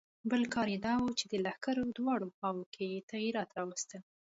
بل کار یې دا وکړ چې د لښکر دواړو خواوو کې یې تغیرات راوستل.